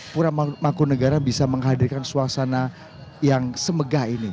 puramangkunegara bisa menghadirkan suasana yang semegah ini